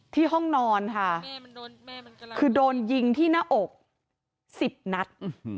ห้องนอนค่ะคือโดนยิงที่หน้าอก๑๐นัด